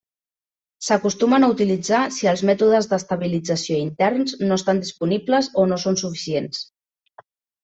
S'acostumen a utilitzar si els mètodes d'estabilització interns no estan disponibles o no són suficients.